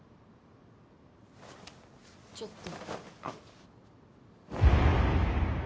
ちょっと。